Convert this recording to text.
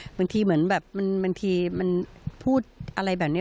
บางทีเหมือนแบบบางทีมันพูดอะไรแบบนี้